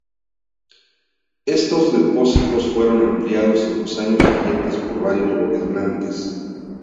Estos depósitos fueron ampliados en los años siguientes por varios gobernantes.